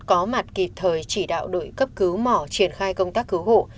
có mặt kịp thời chỉ đạo đội cấp cứu mỏ triển khai công tác cứu hộ